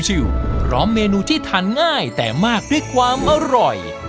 พร้อมเมนูที่ทานง่ายแต่มากด้วยความอร่อย